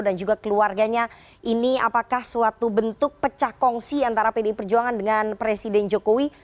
dan juga keluarganya ini apakah suatu bentuk pecahkongsi antara pdi perjuangan dengan presiden jokowi